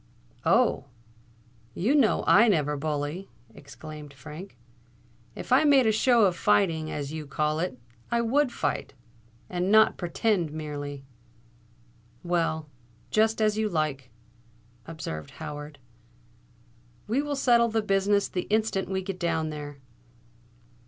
"Oh! you know I never bully," exclaimed Frank. "If I made a show of fighting, as you call it, I would fight—and not pretend merely." "Well—just as you like," observed Howard. "We will settle the business the instant we get down there."